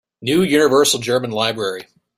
New Universal German Library